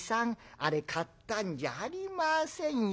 あれ買ったんじゃありませんよ。